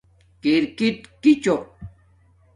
کرکِٹ کݵ چݸق؟